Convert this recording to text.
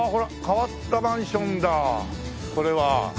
変わったマンションだこれは。